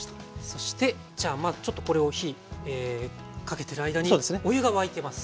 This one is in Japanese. そしてじゃあちょっとこれを火かけてる間にお湯が沸いてます。